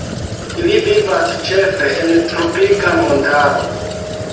Ili vivas ĉefe en tropika montaro.